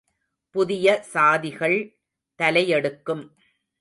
புதிய சாதிகள் தலையெடுக்கும்.